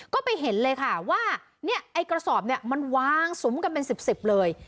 ก็ไปเห็นเลยค่ะว่าเนี่ยไอ้กระสอบเนี่ยมันวางสุมกันเป็น๑๐เลย